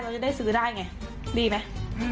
จะได้ซื้อได้ไงดีไหม